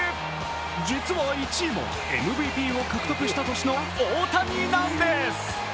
実は１位も、ＭＶＰを獲得した年の大谷なんです。